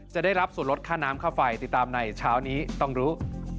จะได้รับส่วนลดค่าน้ำค่าไฟติดตามในเช้านี้ต้องรู้